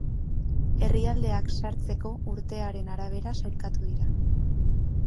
Herrialdeak sartzeko urtearen arabera sailkatu dira.